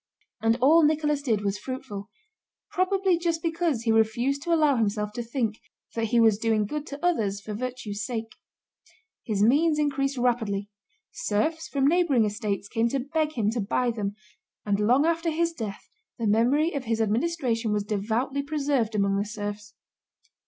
And all Nicholas did was fruitful—probably just because he refused to allow himself to think that he was doing good to others for virtue's sake. His means increased rapidly; serfs from neighboring estates came to beg him to buy them, and long after his death the memory of his administration was devoutly preserved among the serfs.